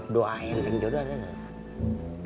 doa yang enteng jodoh ada gak